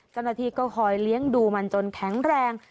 เจ้าหน้าที่ก็คอยเลี้ยงดูมันจนแข็งแรง